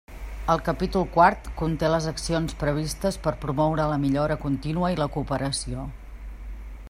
El capítol quart conté les accions previstes per promoure la millora contínua i la cooperació.